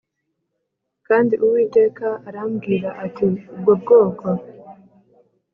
Kandi Uwiteka arambwira ati Ubwo bwoko